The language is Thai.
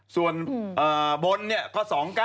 ส่วนบนเนี่ยก็๒๙